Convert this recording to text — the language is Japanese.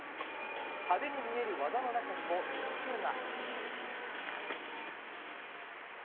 派手に見える技の中にも特徴が。